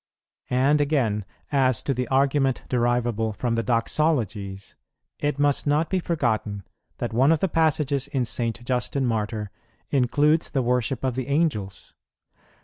And again, as to the argument derivable from the Doxologies, it must not be forgotten that one of the passages in St. Justin Martyr includes the worship of the Angels.